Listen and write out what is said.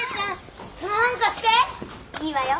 いいわよ。